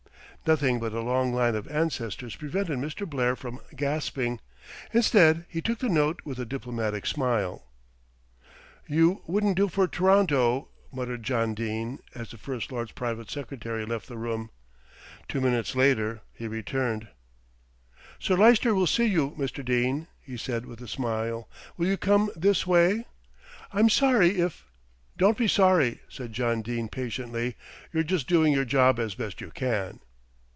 Nothing but a long line of ancestors prevented Mr. Blair from gasping. Instead he took the note with a diplomatic smile. "You wouldn't do for T'ronto," muttered John Dene as the First Lord's private secretary left the room. Two minutes later he returned. "Sir Lyster will see you, Mr. Dene," he said with a smile. "Will you come this way? I'm sorry if " "Don't be sorry," said John Dene patiently; "you're just doing your job as best you can."